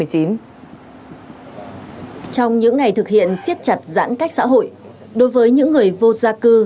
trong những ngày thực hiện siết chặt giãn cách xã hội đối với những người vô gia cư